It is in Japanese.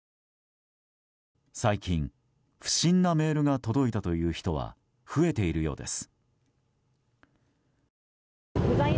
最近、不審なメールが届いたという人は増えているようです。